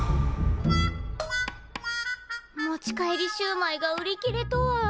持ち帰りシューマイが売り切れとは。